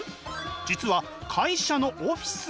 実は会社のオフィス。